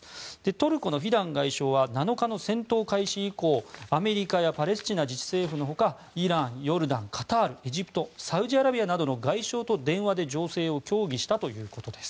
トルコのフィダン外相は７日の戦闘開始以降アメリカやパレスチナ自治政府のほかイラン、ヨルダン、カタールエジプト、サウジアラビアなどの外相と電話で情勢を協議したということです。